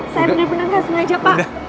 saya benar benar nggak sengaja pak